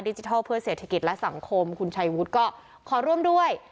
ดิจิทัลเพื่อเศรษฐกิจและสังคมคุณชัยวุฒิก็ขอร่วมด้วย